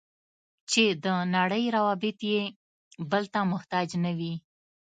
چې د نړۍ روابط یې بل ته محتاج نه وي.